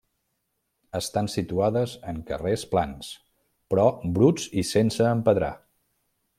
Estan situades en carrers plans, però bruts i sense empedrar.